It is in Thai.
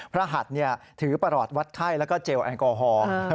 หัดถือประหลอดวัดไข้แล้วก็เจลแอลกอฮอล์